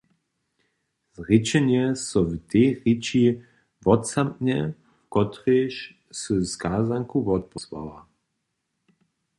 Zrěčenje so w tej rěči wotzamknje, w kotrejž sy skazanku wotpósłała.